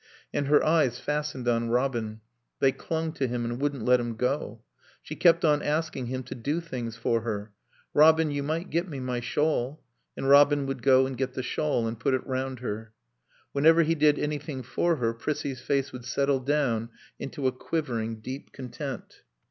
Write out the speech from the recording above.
And her eyes fastened on Robin; they clung to him and wouldn't let him go. She kept on asking him to do things for her. "Robin, you might get me my shawl;" and Robin would go and get the shawl and put it round her. Whenever he did anything for her Prissie's face would settle down into a quivering, deep content.